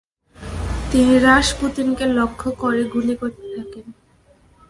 তিনি রাসপুতিনকে লক্ষ্য করে গুলি করতে থাকেন।